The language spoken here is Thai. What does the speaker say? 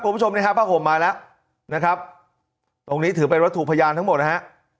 คุณผู้ชมนี่ฮะผ้าห่มมาแล้วนะครับตรงนี้ถือเป็นวัตถุพยานทั้งหมดนะฮะ